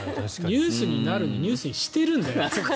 ニュースになるというかニュースにしているんだよ。